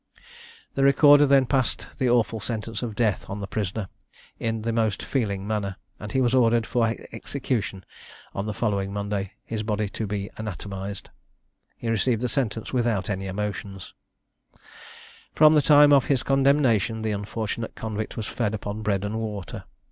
The Recorder then passed the awful sentence of death on the prisoner in the most feeling manner, and he was ordered for execution on the following Monday, his body to be anatomised. He received the sentence without any emotion. From the time of his condemnation, the unfortunate convict was fed upon bread and water.